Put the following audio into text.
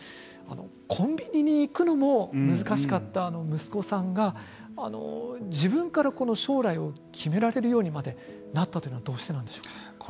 コンビニに行くのも難しかった息子さんが自分から将来を決められるようにまでなったというのはどうしてなんでしょう。